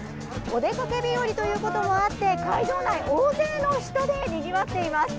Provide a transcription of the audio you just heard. お出かけ日和ということもあって会場内、大勢の人でにぎわっています。